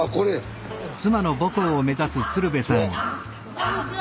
こんにちは。